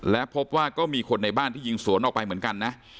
และพบว่าก็มีคนในบ้านที่ยิงสวนออกไปเหมือนกันนะ